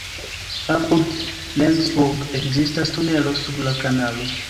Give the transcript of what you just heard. Apud Rendsburg ekzistas tunelo sub la kanalo.